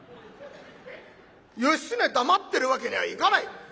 義経黙ってるわけにはいかない。